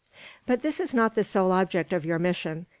"But this is not the sole object of your mission.